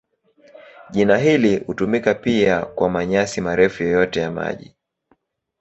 Jina hili hutumika pia kwa manyasi marefu yoyote ya maji.